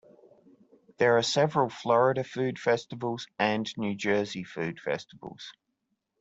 There are several Florida food festivals and New Jersey food festivals.